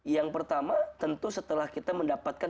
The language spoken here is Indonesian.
yang pertama tentu setelah kita mendapatkan